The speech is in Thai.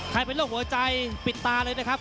เป็นโรคหัวใจปิดตาเลยนะครับ